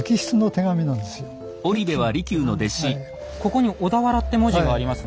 ここに「小田原」って文字がありますね。